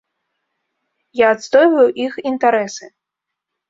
Я адстойваю іх інтарэсы.